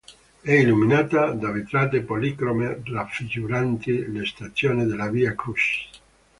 È illuminata da vetrate policrome raffiguranti le stazioni della Via Crucis.